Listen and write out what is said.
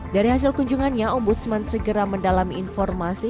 dari hasil kunjungannya ombudsman segera mendalami informasi